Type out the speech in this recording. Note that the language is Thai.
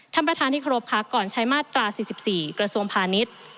ท่านประธานที่ขอรวบค้าก่อนใช้มาตรา๔๔กพาณิชย์